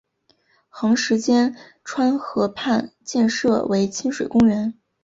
横十间川河畔建设为亲水公园。